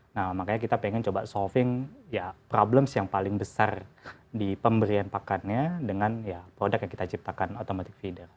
nah makanya kita pengen coba solving ya problems yang paling besar di pemberian pakannya dengan ya produk yang kita ciptakan automatic feeder